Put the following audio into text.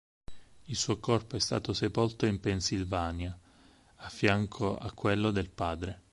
Il suo corpo è stato sepolto in Pennsylvania, a fianco a quello del padre.